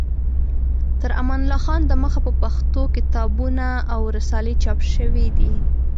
تر امان الله خان د مخه په پښتو کتابونه او رسالې چاپ شوې دي.